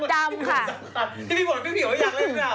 ไม่ได้บอกว่าอยากเล่นเพราะอะไรหรอ